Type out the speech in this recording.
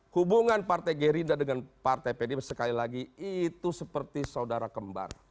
hubungan partai gerinda dengan partai pdm sekali lagi itu seperti saudara kembang